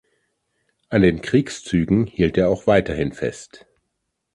An den Kriegszügen hielt er auch weiterhin fest.